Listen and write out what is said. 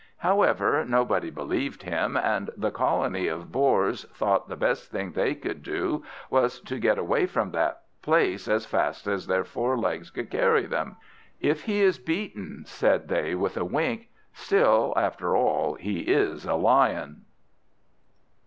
However, nobody believed him, and the colony of Boars thought the best thing they could do was to get away from that place as fast as their four legs could carry them. "If he is beaten," said they with a wink, "still, after all, he is a Lion."